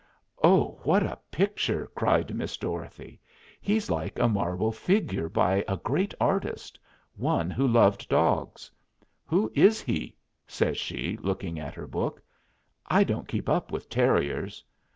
"Oh, what a picture!" cried Miss Dorothy. "He's like a marble figure by a great artist one who loved dogs. Who is he?" says she, looking in her book. "I don't keep up with terriers."